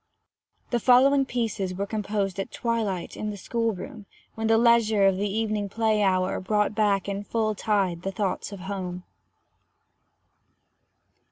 The following pieces were composed at twilight, in the school room, when the leisure of the evening play hour brought back in full tide the thoughts of home.